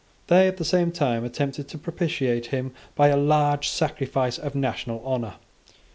They, at the same time, attempted to propitiate him by a large sacrifice of national honour.